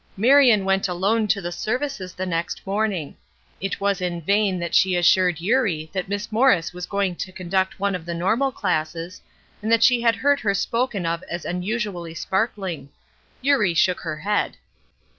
Marion went alone to the services the next morning. It was in vain that she assured Eurie that Miss Morris was going to conduct one of the normal classes, and that she had heard her spoken of as unusually sparkling. Eurie shook her head.